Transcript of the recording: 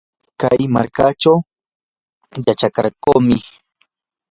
kay markachaw yachakarqunam.